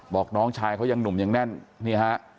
บอกน้องชายเขายังหนุ่มยังแน่นนี่ฮะ